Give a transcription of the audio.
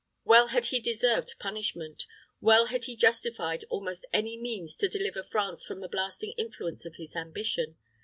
Well had he deserved punishment well had he justified almost any means to deliver France from the blasting influence of his ambition.